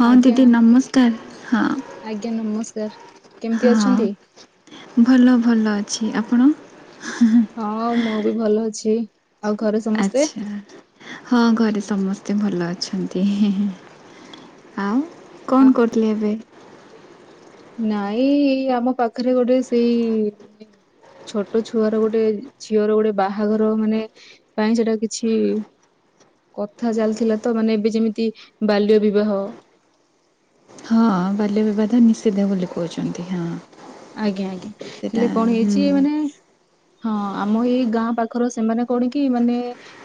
ହଁ ଆଜ୍ଞା ଦିଦି ନମସ୍କାର ହଁ ଆଜ୍ଞା ନମସ୍କାର। କେମିତି ଅଛନ୍ତି? ହଁ ଭଲ ଭଲ ଅଛି ଆପଣ? ହଁ ମୁଁ ବି ଭଲ ଅଛି। ଆଉ ଘରେ ସମସ୍ତେ? ଆଚ୍ଛା। ହଁ ଘରେ ସମସ୍ତେ ଭଲ ଅଛନ୍ତି ହିଁ ହିଁ ଆଉ ଆ କଣ କରୁଥିଲେ ଏବେ? ନାଇଁ ଆମ ପାଖରେ ଗୋଟେ ସେଇ ଛୋଟ ଛୁଆର ଗୋଟେ ଝିଅର ଗୋଟେ ବାହାଘର ମାନେ ପାଇଁ ସେଟା କିଛି କଥା ଚାଲିଥିଲା ତ ମାନେ ଏବେ ଯେମିତି ବାଲ୍ୟ ବିବାହ ହଁ ବାଲ୍ୟ ବିବାଦ ନିଷିଦ୍ଧ ବୋଲି କହୁଚନ୍ତି ହଁ ଆଜ୍ଞା ଆଜ୍ଞା ସେଇଟା ହେଲେ କଣ ହୁଁ। ହେଇଚି ମାନେ ହଁ ଆମ ଏଇ ଗାଁ ପାଖର ସେମାନେ କଣ କି ମାନେ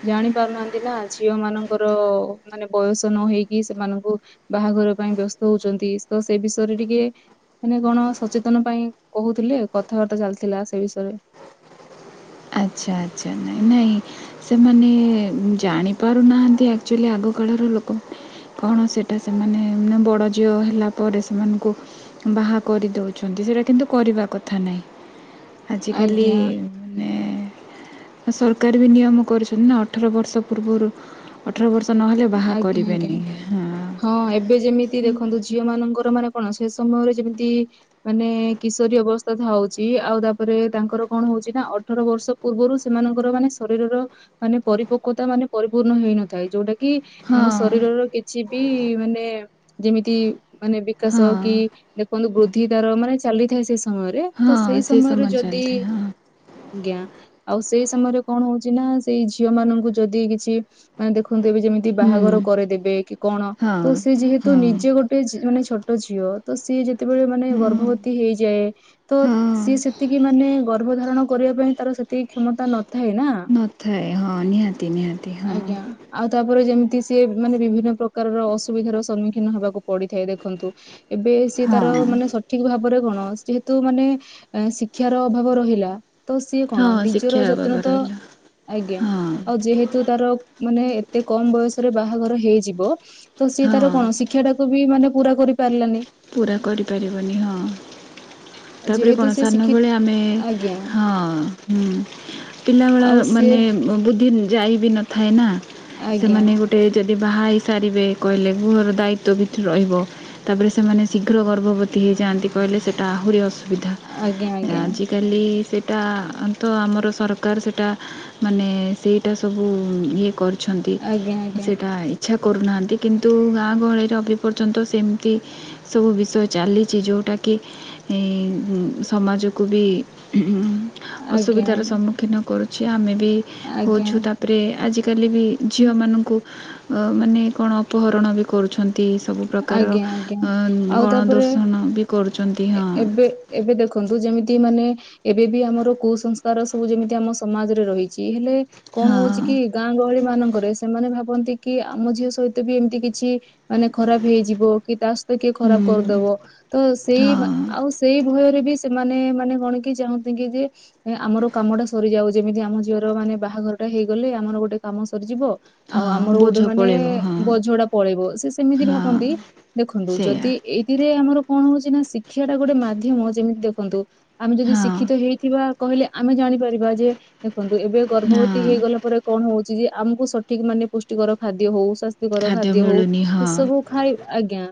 ଜାଣି ପାରୁନାହାନ୍ତି ନା ଝିଅ ମାନଙ୍କର ମାନେ ବୟସ ନ ହେଇକି ସେମାନଙ୍କୁ ବାହାଘର ପାଇଁ ବ୍ୟସ୍ତ ହଉଛନ୍ତି ତ ସେ ବିଷୟରେ ଟିକେ ମାନେ କଣ ସଚେତନ ପାଇଁ କହୁଥିଲେ କଥାବାର୍ତ୍ତା ଚାଲିଥିଲା ସେ ବିଷୟରେ ଆଚ୍ଛା ଆଚ୍ଛା ନାଇଁ ନାଇଁ ସେମାନେ ଜାଣିପାରୁନାହାଁନ୍ତି ଆକଚୁଲି ଆଗକାଳର ଲୋକମାନେ। କଣ ସେଇଟା ସେମାନେ ବଡ଼ ଝିଅ ହେଲା ପରେ ସେମାନଙ୍କୁ ବାହା କରିଦଉଛନ୍ତି ସେଇଟା କିନ୍ତୁ କରିବା କଥା ନାହିଁ। ଆଜିକାଲି ଆଜ୍ଞା ମାନେ ସରକାର ବି ନିୟମ କରିଛନ୍ତି ନା ଅଠର ବର୍ଷ ପୂର୍ବରୁ ଅଠର ବର୍ଷ ନହେଲେ ବାହା ଆଜ୍ଞା ଆଜ୍ଞା କରିବେନି। ହଁ। ହଁ ଏବେ ଯେମିତି ଦେଖନ୍ତୁ ଝିଅ ମାନଙ୍କର ମାନେ କଣ ସେ ସମୟରେ ଯେମିତି ମାନେ କିଶୋରୀ ଅବସ୍ଥା ଥାଉଛି। ଆଉ ତାପରେ ତାଙ୍କର କଣ ହଉଛି ନା ଅଠର ବର୍ଷ ପୂର୍ବରୁ ସେମାନଙ୍କର ମାନେ ଶରୀରର ମାନେ ପରିପକ୍ୱତା ମାନେ ପରିପୂର୍ଣ୍ଣ ହେଇନଥାଏ। ଯୋଉଟା କି କି ହଁ ତାଙ୍କ ଶରୀରର କିଛି ବି ମାନେ ଯେମିତି ମାନେ ହଁ ବିକାଶ କି ଦେଖନ୍ତୁ ବୃଦ୍ଧି ତାର ମାନେ ଚାଲିଥାଏ ସେ ସମୟରେ ତ ହଁ ସେଇ ସମୟରେ ଯଦି ଚାଲିଥାଏ ହଁ ଆଜ୍ଞା। ଆଉ ସେଇ ସମୟରେ କଣ ହଉଛି ନା ସେଇ ଝିଅ ମାନଙ୍କୁ ଯଦି କିଛି ମାନେ ଦେଖନ୍ତୁ ଏବେ ଯେମିତି ହୁଁ ବାହାଘର କରେଇ ଦେବେ କି କଣ ହଁ ତ ସେ ଯେହେତୁ ହଁ ନିଜେ ଗୋଟେ ଗୋଟେ ମାନେ ଛୋଟ ଝିଅ ତ ସିଏ ଯେତେବେଳେ ମାନେ ହୁଁ ଗର୍ଭବତୀ ହେଇଯାଏ। ତ ହଁ ସିଏ ସେତିକି ମାନେ ଗର୍ଭ ଧାରଣ କରିବା ପାଇଁ ତାର ସେତିକି କ୍ଷମତା ନଥାଏ ନା। ନଥାଏ ହଁ ନିହାତି ନିହାତି ହଁ। ଆଜ୍ଞା ଆଉ ତାପରେ ଯେମିତି ସିଏ ମାନେ ବିଭିନ୍ନ ପ୍ରକାରର ଅସୁବିଧାର ସମ୍ମୁଖୀନ ହେବାକୁ ପଡିଥାଏ ଦେଖନ୍ତୁ ଏବେ ସେ - ଯିଏ ତାର ହଁ ମାନେ ସଠିକ ଭାବରେ କଣ ଯେହେତୁ ମାନେ ଶିକ୍ଷାର ଅଭାବ ରହିଲା ତ ସିଏ କଣ ହଁ ଶିକ୍ଷା ନିଜର ବାବା ଯତ୍ନ ତ ରହିଲା ଆଜ୍ଞା ହଁ ଆଉ ଯେହେତୁ ତାର ମାନେ ଏତେ କମ ବୟସରେ ବାହାଘର ହେଇଯିବ ତ ସିଏ ତାର ହଁ କଣ ଶିକ୍ଷା ଟାକୁ ବି ମାନେ ପୁରା କରିପାରିଲାନି। ପୂରା କରିପାରିବନି ହଁ। ତାପରେ ଯେହେତୁ କଣ ସେ ସାନ ଶିକ୍ଷି ବେଳେ ଆମେ ଆଜ୍ଞା ହଁ - ପିଲାବେଳେ ଆଉ ସିଏ ମାନେ ବୁଦ୍ଧି ଯାଇ ବି ନଥାଏ ନା ଆଜ୍ଞା ସେମାନେ ଗୋ ଗୋଟେ ଯଦି ବାହା ହେଇ ସାରିବେ କହିଲେ ଗୃହର ଦାୟିତ୍ଵ ବି ରହିବ ତାପରେ ସେମାନେ ଶୀଘ୍ର ଗର୍ଭବତୀ ହେଇଯାଆନ୍ତି କହିଲେ ସେଇଟା ଆହୁରି ଅସୁବିଧା। ଆଜ୍ଞା ଆଜି ଆଜିକାଲି ସେଇଟା ତ ଆମର ସରକାର ସେଇଟା ମାନେ ସେଇଟା ସବୁ ଇଏ କରିଛନ୍ତି। ଆଜ୍ଞା ଆଜ୍ଞା ସେଇଟା ଇଚ୍ଛା କରୁନାହାଁନ୍ତି କିନ୍ତୁ ଗାଁ ଗହଳିରେ ଅଭି ପର୍ଯ୍ୟନ୍ତ ସେମିତି ସବୁ ବିଷୟ ଚାଲିଛି ଯଉଟାକି ଏଇ ସମାଜକୁ ବି ଆଜ୍ଞା ଅସୁବିଧାର ସମ୍ମୁଖୀନ କରୁଛି। ଆମେ ବି ଆଜ୍ଞା ଆଜ୍ଞା ହେଉଛୁ ତା ଉପରେ ଆଜିକାଲି ବି ଝିଅମାନଙ୍କୁ ଅ ମାନେ କଣ ଅପହରଣ ବି କରୁଛନ୍ତି ସବୁ ଆଜ୍ଞା ଆଜ୍ଞା। ଆଉ ଗଣ ତାପରେ ଦର୍ଶଣ ବି କରୁଛନ୍ତି ହଁ। ଏବେ ଏବେ ଦେଖନ୍ତୁ ଯେମିତି ମାନେ। ଏବେ ବି ଆମର କୁସଂସ୍କାର ସବୁ ଯେମିତି ଆମ ସମାଜରେ ରହିଛି ହେଲେ କଣ ହଉଚି ହଁ କି ଗାଁ ଗହଳି ମାନଙ୍କରେ? ସେମାନେ ଭାବନ୍ତି କି ଆମ ଝିଅ ସହିତ ବି ଏମ୍ତି କିଛି ଖରାପ୍ ହେଇଯିବ, କି ତା' ସହିତ କିଏ ହୁଁ ଖରାପ୍ କର୍ ଦବ। ତ ହଁ ସେଇ--ଆଉ ସେଇ ଭୟରେ ବି ସେମାନେ ମାନେ କ'ଣ କିି ଚାହଁନ୍ତି କି ଯେ ଆମର କାମ ଟା ସରି ଯାଉ, ଯେମିତି ଆମ ଝିଅର ମାନେ ବାହା ଘରଟା ହେଇଗଲେ, ଆମର ଗୋଟେ କାମ ସରି ଯିବ। ଆଉ ହଁ ଆମର ବୋଝ ଗୋଟେ ମାନେ ପଳେଇବ ହଁ ବୋଝ ଟା ପଳେଇବ, ସେ ସେମିତି ହଁ ଭାବନ୍ତି ଦେଖନ୍ତୁ ସେଇଆ ଯଦି ଏଇଥିରେ ଆମର କ'ଣ ହଉଚି ନା, ଶିକ୍ଷାଟା ଗୋଟେ ମାଧ୍ୟମ ଯେମି--ଦେଖନ୍ତୁ ଆମେ ଯଦି ହଁ ଶିକ୍ଷିତ ହେଇଥିବା, କହିଲେ ଆମେ ଜାଣିପାରିବା। ଯେ ଦେଖନ୍ତୁ ଏବେ ଗର୍ଭବତୀ ହଁ ହେଇଗଲା ପରେ କଣ ହଉଚି ଯେ, ଆମକୁ ସଠିକ୍‌ ମାନେ ପୁଷ୍ଟିକର ଖାଦ୍ୟ ହଉ, ସ୍ୱାସ୍ଥ୍ୟ କର ଖାଦ୍ୟ ହଉ ମିଳୁନି ସେ ହଁ ସବୁ ଖାଇ ଆଜ୍ଞା,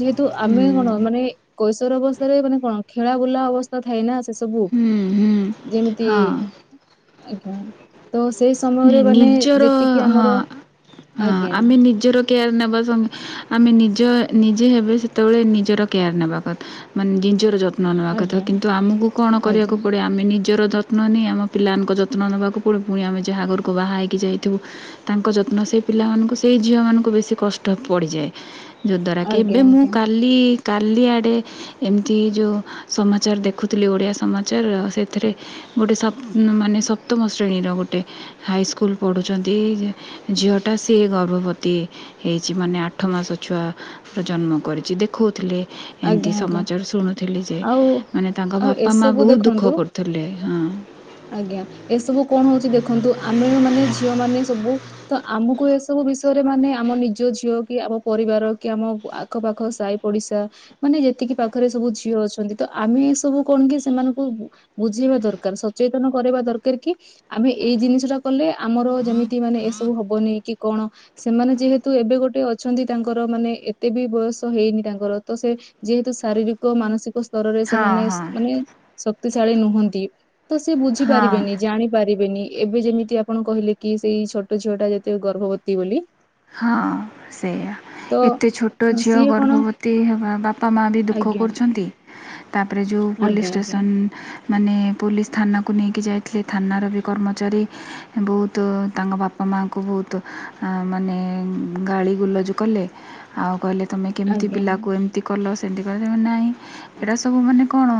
ଯେହେତୁ ଆମେ ହୁଁ କ'ଣ ମାନେ କୈଶୋର ଅବସ୍ଥାରେ ମାନେ କ'ଣ ଖେଳା ବୁଲା ଅବ ତ ଥାଏନା ସେ ସବୁ ହୁଁ ହୁଁ ଯେମ୍ତି ହଁ ଆଜ୍ଞା ତ ସେ ସମୟରେ ବାନେ ନିଜର ଯେତିକି ଆମର ହଁ ହଁ ଆଜ୍ଞା ଆମେ [inaudible] ଆମେ ନିଜ ନିଜେ ହେବେ ସେତବଳେ ନିଜର କେୟାର୍ ନେବା ନବା କଥା, ଆଜ୍ଞା କିନ୍ତୁ ଆମକୁ କ'ଣ କରିବାକୁ ଆଜ୍ଞା ପଡ଼େ ଆମେ ନିଜର ତ୍ନ ଆମ ପିଲା ମାନଙ୍କ ଯତ୍ନ ନେବାକୁ ପୁଣି ଆମେ ଯାହା ଘରୁକୁ ବାହା ହଇକି ଯାଇଥିବୁ। ତାଙ୍କ ଯତ୍ନ ସେଇ ପିଲା ମାନୁଙ୍କୁ, ସେଇ ଝିଅ ମାନଙ୍କୁ ବେଶୀ କଷ୍ଟ ପଡ଼ିଯାଏ। ଯଦ୍ଵାରା କି ଆଜ୍ଞା ଏବେ ମୁଁ ଆଜ୍ଞା କାଲି କାଲି ଆଡ଼େ ଏମ୍ତି ଯଉ ସମାଚାର୍ ଦେଖୁଥିଲି, ଓଡ଼ିଆ ସମାଚାର୍ ସେ--ରେ ଗୋଟେ ସପ୍ ମାନେ ସପ୍ତମ ଶ୍ରେଣୀର ଗୋଟେ। ହାଇସ୍କୁଲ୍ ପଢୁଚନ୍ତି, ଝିଅଟା ସିଏ ଗର୍ଭବତୀ ହେଇଚି ମାନେ ଆଠ ମାସ ଛୁଆ ଜନ୍ମ କରିଚି, ଦେଖଉ ଥିଲେ। ଆଜ୍ଞା ଏନ୍ତି ଆଜ୍ଞା ସମାଚାର୍ ଶୁଣୁଥିଲି ଯେ, ଆଉ ମାନେ ତାଙ୍କ ଆଉ ବାପା ମା ଏସବୁ ବହୁତ୍ ଦେଖନ୍ତୁ ଦୁଃଖ କରୁ [inaudible] ଆଜ୍ଞା ଏସବୁ କ'ଣ ହଉଚି ଦେଖନ୍ତୁ, ଆମେ ମାନେ ଝିଅ ମାନେ ସବୁ ତ ଆମୁକୁ ଏସବୁ ବିଷୟରେ ମାନେ ଆମ ନିଜ ଝିଅ କି ଆମ ପରିବାର କି ଆମ ଆଖ ପାଖ ସାଇ ପଡ଼ିଶା ମାନେ ଯେତିକି ପାଖରେ ସବୁ ଝିଅ ଅଛନ୍ତି, ତ ଆମେ ସବୁ କ'ଣ କି ସେମାନଙ୍କୁ ବୁଝେଇବା ଦରକାର୍, ସଚେତନ କରେଇବା ଦରକାର୍ କି ଆମେ ଏଇ ଜିନିଷ ଟା କଲେ ଆମର ଯେମିତି ମାନେ ଏସବୁ ହବନି କି କ'ଣ? ସେମାନେ ଯେହେତୁ ଏବେ ଗୋଟେ ଅଛନ୍ତି, ତାଙ୍କର ମାନେ ଏତେ ବି ବୟସ ହେଇନି ତାଙ୍କର। ତ ସେ ଯେହେତୁ ଶାରୀରିକ, ମାନସିକ ସ୍ତରରେ ହଁ ସେମାନେ ହଁ ମାନେ ଶକ୍ତି ଶାଳୀ ନୁହନ୍ତି। ତ ସେ ବୁଝି ହଁ ପାରିବେନି, ଜାଣି ପାରିବେନି। ଏବେ ଯେମିତି ଆପଣ କହିଲେ କି, ସେଇ ଛୋଟ ଝିଅ ଟା ଯେତେ ଗର୍ଭବତୀ ବୋଲି। ହଁ, ସେୟା। ତ ଏତେ ଛୋଟ ଝିଅ ସିଏ କଣ ଗର୍ଭବତୀ ହେବା, ବାପା ମା ବି ଦୁଃଖ ଆଜ୍ଞା କରୁଛନ୍ତି। ତା'ପରେ ଯଉ ପୋଲିସ୍‌ ଆଜ୍ଞା ଆଜ୍ଞା ଷ୍ଟେସନ୍‌ ମାନେ ପୋଲିସ୍‌ ଥାନାକୁ ନେଇକି ଯାଇଥିଲେ, ଥାନାର ବି କର୍ମଚାରୀ। ବହୁତୁ, ତାଙ୍କ ବାପା ମାଆଙ୍କୁ ବହୁତୁ ମାନେ ଗାଳି ଗୁଲଜ କଲେ, ଆଉ କହିଲେ ତମେ କେମ୍ତି ଆଜ୍ଞା ପିଲାକୁ ଏ ତି କଲ, ସେ କ ନାଇଁ, ଏଟା ସବୁ ମାନେ କ'ଣ?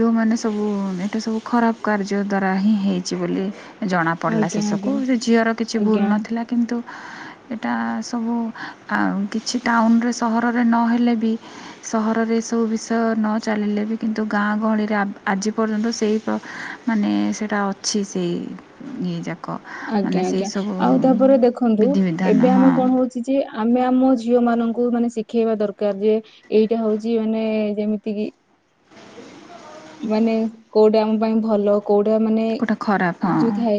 ଯଉ ମାନେ ସବୁ ଏ ସବୁ ଖରାପ୍ କାର୍ଯ୍ୟ ଦ୍ଵାରା ହିଁ ହେଇଚି ବୋଲି। ଜଣା ପଡ୍‌ଲା ଆଜ୍ଞା ଶେଷକୁ, ଆଜ୍ଞା ସେ ଝିଅର କିଛି ଭୁଲ୍‌ ଆଜ୍ଞା ନଥିଲା କିନ୍ତୁ। ଏଟା ସବୁ କିଛି ଟାଉନ୍‌ରେ ସହରରେ ନହେଲେ ବି ସହରରେ ଏସବୁ ବିଷୟ ନ ଚାଲିଲେ ବି, କିନ୍ତୁ ଗାଁ ଗହଳିରେ ଆଜି ପର୍ଯ୍ୟନ୍ତ ସେଇ ପ୍ର ମାନେ ସେଟା ଅଛି, ସେଇ ଇଏ ଯା ଆଜ୍ଞା ଆଜ୍ଞା ଆଉ ତାପରେ ଦେଖନ୍ତୁ ବିଧିବିଧାନ ଏବେ ଆମେ ହଁ କଣ ହଉ ଚି ଯେ ଆମେ ଆମ ଝିଅ ମାନଙ୍କୁ ମାନେ ଶିଖେଇବା ଦରକାର ଯେ। ଏଇଟା ହଉଛି ମାନେ ଯେମିତି କିି। ମାନେ କୋଉଟେ ଆମ ପାଇଁ ଭଲ। କୋଉଟା ମାନେ କେଉଁଟା ଖରାପ ଯୁ ଥାଏ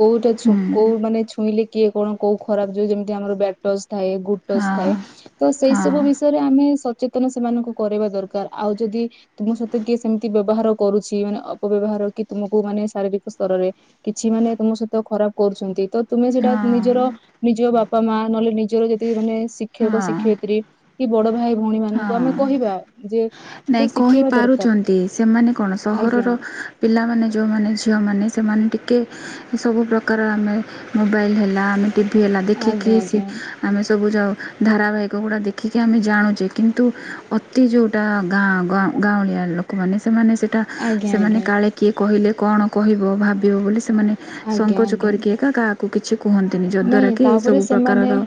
କୋଉଟା ହଁ ଛୁ କୋଉ ମାନେ ଛୁଇଁଲେ। କିଏ କଣ କୋଉ ଖରାପ ଯ ଯେମିତି ଆମର ବ୍ୟାଡ୍ ଟଚ ଥାଏ ଗୁଡ ହଁ ଟଚ ଥାଏ। ତ ସେଇ ହଁ ସବୁ ବିଷୟରେ ଆମେ ସଚେତନ ସେମାନଙ୍କୁ କରିବା ଦରକାର ଆଉ ଯଦି ତୁମ ସହିତ କିଏ ସେମିତି ବ୍ୟବହାର କରୁଛି ମାନେ ଅପବ୍ୟବହାର କି ତୁମକୁ ମାନେ ଶାରୀରିକ ସ୍ତରରେ। କିଛି ମାନେ ତମ ସହିତ ଖରାପ କରୁଛନ୍ତି ତ। ତୁମେ ହଁ ସେଟା ନିଜର ନିଜ ବାପା ମା ନହେଲେ ନିଜର ଯେତିକି ମାନେ ହଁ ଶିକ୍ଷକ ହଁ ଶିକ୍ଷୟତ୍ରୀ। କି ବଡ ଭାଇ ଭଉଣୀ ମାନଙ୍କୁ ଆମେ ହଁ କହିବା ଯେ ତ ନାଇଁ ଶିଖେଇବା ଦରକାର। କହିପାରୁଛନ୍ତି ସେମାନେ କଣ ଆଜ୍ଞା ସହରର ପିଲାମାନେ ଯଉମାନେ ଝିଅମାନେ ସେମାନେ ଟିକେ ଏ ସବୁ ପ୍ରକାର ଆମେ ମୋବାଇଲ ହେଲା ଆମେ ଟିଭିି ହେଲା ଦେଖିକି ଆଜ୍ଞା ସେ ଆଜ୍ଞା ଆମେ ସବୁ ଯାଉ ଧାରାବାହିକ ଗୁଡ଼ା ଦେଖିକି ଆମେ ଜାଣୁଛେ। କିନ୍ତୁ ଅତି ଯଉଟା ଗାଁ ଗାଁଉଁଲିଆ ଲୋକମାନେ ସେମାନେ ସେଇଟା ଆଜ୍ଞା ଆଜ୍ଞା ସେମାନେ କାଳେ କିଏ କହିଲେ କଣ କହିବ ଭାବିବ ବୋଲି ସେମାନେ ଆଜ୍ଞା ସଙ୍କୋଚ ଆଜ୍ଞା କରିକି। କାହାକୁ କିଛି କୁହନ୍ତିନି ନାଇଁ ଯଦ୍ଵାରା କି ତାପରେ ସବୁ ସେମାନେ ପ୍ରକାରର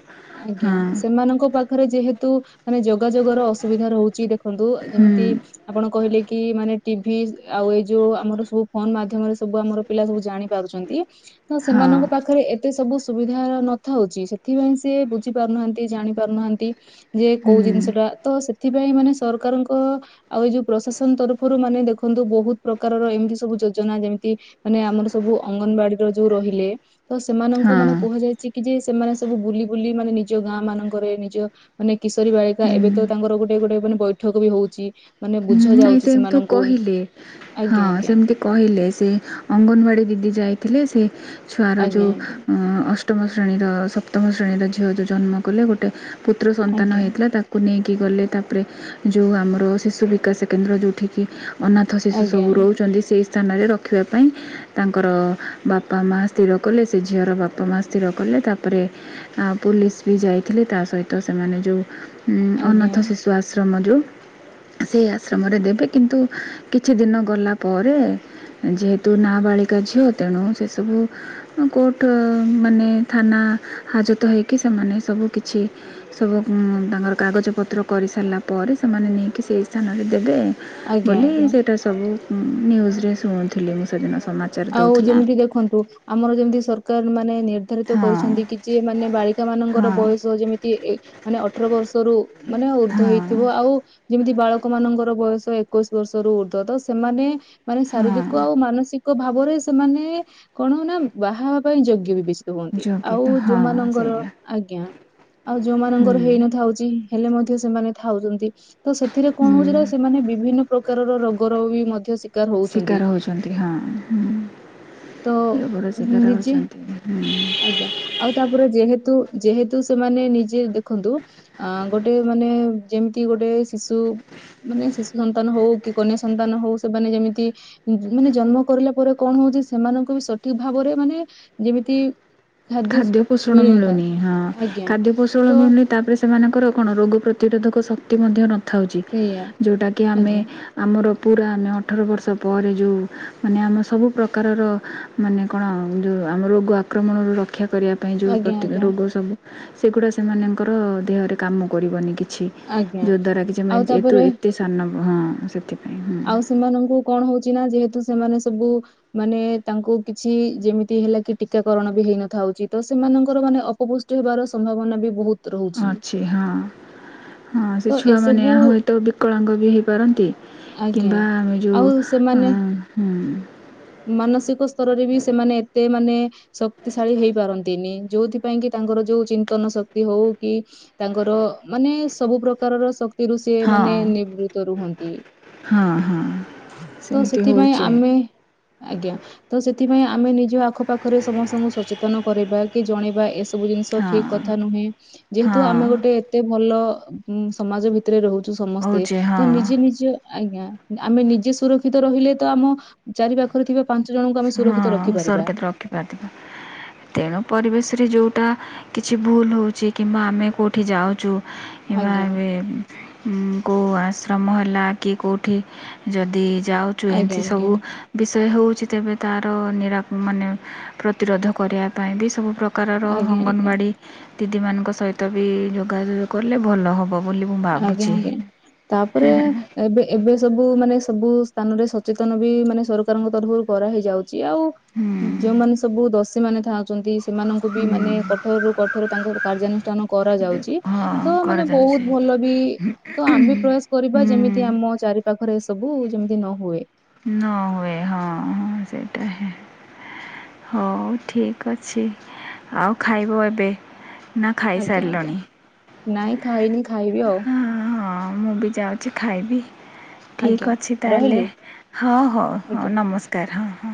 ଆଜ୍ଞା ହଁ। ସେମାନଙ୍କ ପାଖରେ ଯେହେତୁ ମାନେ ଯୋଗାଯୋଗର ଅସୁବିଧା ରହୁଛି ଦେଖନ୍ତୁ ହଁ ଯେମିତି। ଆପଣ କହିଲେ କି ମାନେ ଟିଭି ଆଉ ଏଇ ଯୋଉ ଆମର ସବୁ ଫୋନ ମାଧ୍ୟମରେ ସବୁ ଆମର। ପିଲା ସବୁ ଜାଣି ପାରୁଛନ୍ତି ତ ହଁ ସେମାନଙ୍କ ପାଖରେ ଏତେ ସବୁ। ସୁବିଧା ନଥାଉଚି ସେଥିପାଇଁ ସିଏ ବୁଝି ପାରୁନାହାନ୍ତି ଜାଣି ପାରୁନାହାନ୍ତି। ଯେ ହଁ କୋଉ ଜିନିଷ ଟା ତ ସେଥିପାଇଁ ମାନେ ସରକାରଙ୍କ। ଆଉ ଏଇ ଯୋଉ ପ୍ରଶାସନ ତରଫରୁ ମାନେ ଦେଖନ୍ତୁ ବହୁତ ପ୍ରକାରର ଏମିତି ସବୁ ଯୋଜନା ଯେମିତି। ମାନେ ଆମର ସବୁ ଅଙ୍ଗନବାଡିର ଯୋଉ ରହିଲେ ତ ସେମାନଙ୍କୁ ହଁ ମାନେ କୁହାଯାଇଛି ଯେ ସେମାନେ ସବୁ ବୁଲି ବୁଲି ମାନେ ନିଜ ଗାଁ ମାନଙ୍କରେ ନିଜ ମାନେ କିଶୋରୀ ବାଳିକା ଏବେ ହୁଁ ତ ତାଙ୍କର ଗୋଟେ ଗୋଟେ ମାନେ ବୈଠକ ବି ହଉଚି। ହୁଁ ନାଇଁ ସେମତି ତ କହିଲେ ହଁ ଆଜ୍ଞା ଆଜ୍ଞା ସେମିତି। କହିଲେ ସେ, ଅଙ୍ଗନବାଡ଼ି ଦିଦି ଯାଇଥିଲେ ସେ ଛୁଆର ଯୋଉ ଆଜ୍ଞା ଅ ଅଷ ଅଷ୍ଟମ ଶ୍ରେଣୀର ସପ୍ତମ ଶ୍ରେଣୀର ଝିଅ ଯଉ ଜନ୍ମ କଲେ ଗୋଟେ ପୁତ୍ର ଆଜ୍ଞା ସନ୍ତାନ ହେଇଥିଲା। ତାକୁ- କୁ ନେଇକି ଗଲେ ତାପରେ ଯୁ ଆମର ଶିଶୁ ବିକାଶ କେନ୍ଦ୍ର ଯଉଠିକି। ଅନାଥ ଶିଶୁ ଆଜ୍ଞା ସବୁ ରହୁଛନ୍ତି ସେହି ସ୍ଥାନରେ ରଖିବା ପାଇଁ। ତାଙ୍କର ବାପା ମା ସ୍ଥିର କଲେ। ସେ ଝିଅର ବାପା ମା ସ୍ଥିର କଲେ। ତାପରେ- ଆ ପୋଲିସ ବି ଯାଇଥିଲେ ତା ସହିତ ସେମାନେ ଯୋଉ- ଉଁ ଆଜ୍ଞା ଆଜ୍ଞା ଅନାଥ ଶିଶୁ ଆଶ୍ରମ ଯୁ ସେଇ ଆଶ୍ରମରେ ଦେବେ କିନ୍ତୁ କିଛି ଦିନ ଗଲା ପରେ। ଯେହେତୁ ନାବାଳିକା ଝିଅ ତେଣୁ ସେ ସବୁ କୋର୍ଟ ମାନେ ଥାନା ହାଜତ ହେଇକି ସେମାନେ ସବୁ କିଛି ସବୁ ତାଙ୍କର କାଗଜପତ୍ର କରିସାରିଲା ପରେ, ସେମାନେ ନେଇ ସେ ସ୍ଥାନରେ ଦେବେ ଆଜ୍ଞା ବୋଲି ଆଜ୍ଞା ସେଟା ସବୁ ନ୍ୟୁଜରେ ଶୁଣୁଥିଲି ମୁଁ ସେଦିନ ସମାଜ। ଆଉ ଯେମିତି ଦେଖନ୍ତୁ ଆମର ଯେମିତି ସରକାର ମାନେ ନିର୍ଦ୍ଧାରିତ ହଁ କରିଛନ୍ତି କି, ଯି ମାନେ ବାଳିକା ମାନଙ୍କର ହଁ ବୟସ ଯେମିତି ଏକ୍ ମାନେ ଅଠର ବର୍ଷରୁ ମାନେ ଉର୍ଦ୍ଧ୍ୱ ହଁ ହେଇଥିବ। ଆଉ ଯେମିତି ବାଳକ ମାନଙ୍କର ବୟସ ଏକୋଇଶି ବର୍ଷରୁ ଉର୍ଦ୍ଧ। ତ ସେମାନେ ମାନେ ହଁ ଶାରୀରିକ ଆଉ ମାନସିକ ଭାବରେ ସେମାନେ କଣ ହ ନା ବାହା ହେବା ପାଇଁ ଯୋଗ୍ୟ ବି ବିତ? ହୁହନ୍ତି ଆଉ ଯୋଗ୍ୟତା ହଁ ଯୋଉମାନଙ୍କର ସେଇଆ ଆଜ୍ଞା ଆଉ ହୁଁ ଯୋଉମାନଙ୍କର ହେଇନଥାଉଛି ହେଲେ ମଧ୍ୟ ସେମାନେ ଥାଉଛନ୍ତି। ତ ସେଥିରେ ହୁଁ କଣ ହଉଛି? ସେମାନେ ବିଭିନ୍ନ ପ୍ରକାରର ରୋଗ ର ବି ମଧ୍ୟ ସି- ଶିକାର ହଉଛନ୍ତି ହଁଁ ହୁଁ। ତ ଏ ବ ର ଶିକାର ନିଜେ ହଉଛନ୍ତି ହୁଁ ଆଜ୍ଞା ଆଉ ତାପରେ ଯେହେତୁ ଯେହେତୁ ସେମାନେ ନିଜେ ଦେଖନ୍ତୁ। ଅ ଗୋଟେ ମାନେ ଯେମିତି ଗୋଟେ ଶିଶୁ ମାନେ ଶିଶୁ ସନ୍ତାନ ହଉ, କି କନ୍ୟା ସନ୍ତାନ ହଉ, ସେମାନେ ଯେମିତି ମାନେ ଜନ୍ମ କରିଲା ପରେ କଣ ହଉଛି? ସେମାନଙ୍କୁ ବି ସଠିକ ଭାବରେ ମାନେ ଯେମିତି ଖାଦ୍ୟ ପୋଷଣ ମିଳିନଥା ମିଳୁନି ହଁ ଆଜ୍ଞା ଖାଦ୍ୟ ପୋଷଣ ତ ମିଳୁନି ତାପରେ- ସେମାନଙ୍କର କଣ ରୋଗ ପ୍ରତିରୋଧକ ଶକ୍ତି ମଧ୍ୟ ନଥାଉଛି। ସେଇଆ ଯୋଉଟା କି ଆମେ ଆଜ୍ଞା ଆମର ପୁରା ଆମେ ଅଠର ବର୍ଷ ପରେ ଯୋଉ ମାନେ ଆମ ସବୁ ପ୍ରକାରର ମାନେ କଣଉ ଆମ ରୋଗ ଆକ୍ରମଣରୁ ର- କ୍ଷା କରିବା ପାଇଁ ଯେଉଁ ଆଜ୍ଞା ପ୍ରତ୍ୟକ ଆଜ୍ଞା ରୋଗ ସବୁ। ସେଗୁଡ଼ା ସେମାନଙ୍କର ଦେହରେ କାମ କରିବନି କିଛି। ଆଜ୍ଞା ଯୋଉ ଦ୍ଵାରା ଆଉ କିଛିଏତୁ ତାପରେ ଏତେ ସାନ ହଁ ସେଥି। ଆଉ ସେମାନଙ୍କୁ କଣ ହଉଛି ନା? ଯେହେତୁ ସେମାନେ ସବୁ ମାନେ ତାଙ୍କୁ କିଛି ଯେମିତି ହେଲା କି ଟିକାକରଣ ବି ହେଇନଥାଉଛି। ତ ସେମାନଙ୍କର ମାନେ ଅପପୁ- ପୁଷ୍ଟି ହେବାର ସମ୍ଭାବନା ବି ବହୁତ ରହୁଛି ଅଛି। ହଁ ହଁ, ସେ ତ ଛୁଆମାନେ ଏସବୁ ଏହା ହୁଏତ ବିକଳାଙ୍ଗ ବି ହେଇପାରନ୍ତି। ଆଜ୍ଞା କିମ୍ବା ଆମେ ଯୋଉ ଆଉ ଅ ସେମାନେ ହଁ। ମାନସିକ ସ୍ତରରେ ବି ସେମାନେ ଏତେ ମାନେ ଶକ୍ତିଶାଳୀ ହେଇପାରନ୍ତିନି। ଯୋଉଥିପାଇଁ କି ତାଙ୍କର ଯୋଉ ଚିନ୍ତନ ଶକ୍ତି ହଉ କି ତାଙ୍କର ମାନେ ସବୁ ପ୍ରକାରର ଶକ୍ - କ୍ତିରୁ ସେ ହଁ ମାନେ ନିବୃତ୍ତ ରୁହନ୍ତି। ହଁ ହଁ ତ ସେମିତି ସେଥିପାଇଁ ହେଉଛି ଆମେ ଆଜ୍ଞା ତ ସେଥିପାଇଁ ଆମେ ନିଜ ଆଖପାଖରେ ସମସ୍ତଙ୍କୁ ସଚେତନ କରିବା କି ଜଣେଇବା ସବୁ ଜିନିଷ ଠିକ ହଁ କଥା ନୁହେଁ ଯେହେତୁ ହଁ ଆମେ ଗୋଟେ ଏତେ ଭଲ ସମାଜ ଭିତ ତରେ ରହୁଛୁ ସମସ୍ତେ ହେଉଛି ତ ହଁ ନିଜେ ନିଜ ଆଜ୍ଞା ଆମେ ନିଜେ ସୁରକ୍ଷିତ ରହିଲେ ତ ଆମ ଚାରି ପାଖ ଖରେ ଥିବା ପାଞ୍ଚ ଜଣଙ୍କୁ ଆମେ ସୁରକ୍ଷିତ ରଖିପାରିବା ିବା ଦିବା [unintelligible] ତେଣୁ ପରିବେଶରେ ଯୋଉଟା କିଛି ଭୁଲ ହଉଛି କିମ୍ବା ଆମେ କୋଉଠି ଯାଉଛୁ ଏ ମା ଆଜ୍ଞା ଏବେ କ [inaudible] ଯାଉଛୁ ଆଜ୍ଞା ଏମିତି ଆଜ୍ଞା ସବୁ ବିଷୟ ହଉଛି ତେବେ ତାର ନିରା ମାନେ ପ୍ରତିରୋଧ କରିବା ପାଇଁ ବି ସବୁ ପ୍ରକାର ପ୍ରକାରର ଆଜ୍ଞା ଆଜ୍ଞା ଅଙ୍ଗନବାଡ଼ି ଦିଦିମାନଙ୍କ ସହିତ ବି ଯୋଗାଯୋଗ କଲେ ଭଲ ହେବ ବୋଲି ମୁଁ ଆଜ୍ଞା ଭାବୁଛି ଆଜ୍ଞା ତାପରେ ଏବେ ଏବେ ସବୁ ମାନେ ସବୁ ସ୍ଥାନରେ ସଚେତନ ବି ମାନେ ସରକାରଙ୍କ ତରଫରୁ କରାହଇଯାଉଛି ଆଉ ହୁଁ ଯୋଉମାନେ ସବୁ ଦଷୀ ମାନେ ଥାଉଛନ୍ତି ସେମାନଙ୍କୁ ବି ହୁଁ ମାନେ କଠୋର ରୁ କଠୋର ତାଙ୍କ କାର୍ଯ୍ୟାନୁଷ୍ଠାନ କରାଯାଉଛି ହଁ ତ ମାନେ ବହୁତ କରାଯାଉଛି ଭଲ ବି ତ ଆମେ ପ୍ରୟାସ ହୁଁ କରିବା ଯେମିତି ଆମ ଚାରି ପାାଖରେ ଏ ସବୁ ଯେମିତି ନ ହୁଏ ନ ହୁଏ ହଁ ହଁ ସେଇଟା ହଁ ହଉ ଠିକ ଅଛି ଆଉ ଖାଇବ ଏବେ ନା ଆଜ୍ଞା ଆଜ୍ଞା ଖାଇସାରିଲଣି। ନାଇଁ ଖାଇନି ଖାଇବି ଆଉ। ହଁ ହଁ ମୁଁ ବି ଯାଉଛି ଖାଇବି ଠିକ୍ ଆଜ୍ଞା ଅଛି ତାହେଲେ ରହିଲି ହଉ ହଉ ଆଜ୍ଞା ହଉ ନମସ୍କାର। [unintelligible]